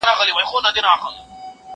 زه هره ورځ مېوې وچوم؟!